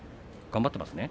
頑張っていますね。